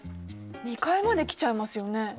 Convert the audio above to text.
２階まで来ちゃいますよね。